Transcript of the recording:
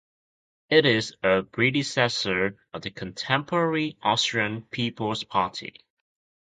It is a predecessor of the contemporary Austrian People's Party.